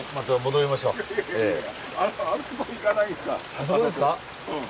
あそこですか？